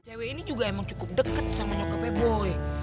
cewek ini juga emang cukup deket sama nyokapnya boy